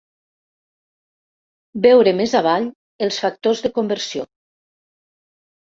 Veure més avall els factors de conversió.